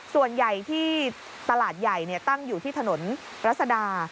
ส่วนใหญ่ที่ตลาดใหญ่ตั้งอยู่ที่ถนนรัศดา